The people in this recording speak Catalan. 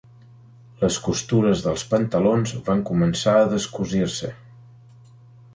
Les costures dels pantalons van començar a descosir-se.